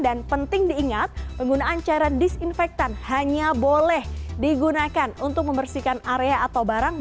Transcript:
dan penting diingat penggunaan cairan disinfektan hanya boleh digunakan untuk membersihkan area atau barang